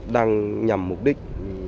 đang nhằm mục đích